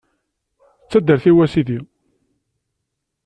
D taddart-iw, a Sidi.